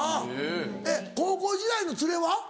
えっ高校時代のツレは？